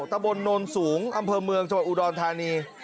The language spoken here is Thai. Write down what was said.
ตะบนโนนสูงอำเภอเมืองจังหวัดอุดรธานี